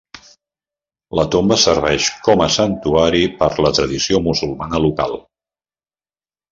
La tomba serveix com a santuari per la tradició musulmana local.